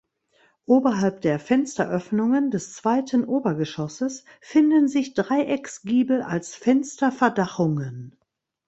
Oberhalb der Fensteröffnungen des zweiten Obergeschosses finden sich Dreiecksgiebel als Fensterverdachungen.